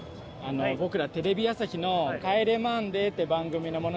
僕らテレビ朝日の『帰れマンデー』って番組の者なんですけど。